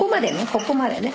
ここまでね。